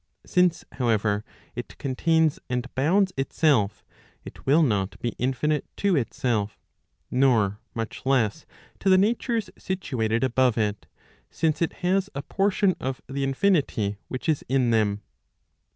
Since however, it contains and bounds itself, it will not be infinite to itself nor much less to the natures situated above it, since it has a portion of the infinity which is in them.